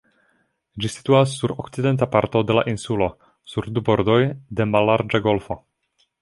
Ĝi situas sur okcidenta parto de la insulo, sur du bordoj de mallarĝa golfo.